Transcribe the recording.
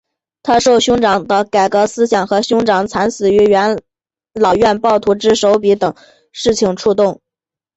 他受他兄长的改革思想和兄长的惨死于元老院暴徒之手等事情的触动。